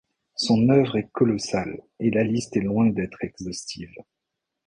Son œuvre est colossale, et la liste est loin d'être exhaustive.